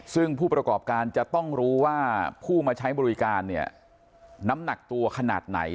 ซึ่งผู้ประกอบการจะต้องรู้ว่าผู้มาใช้บริการเนี่ยน้ำหนักตัวขนาดไหน